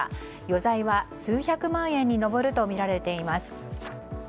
余罪は数百万円に上るとみられています。